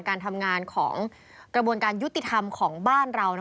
การทำงานของกระบวนการยุติธรรมของบ้านเรา